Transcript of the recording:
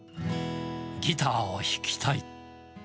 ギターを弾きたい。